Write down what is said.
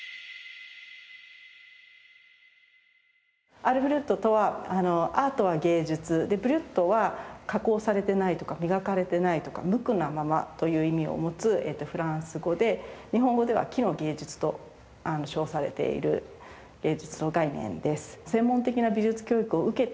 アール・ブリュットとはアールは芸術ブリュットは加工されてないとか磨かれてないとか無垢なままという意味を持つフランス語で日本語では「生の芸術」と称されている芸術の概念です。